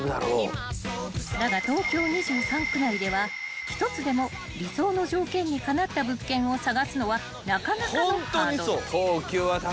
［だが東京２３区内では１つでも理想の条件にかなった物件を探すのはなかなかのハードル］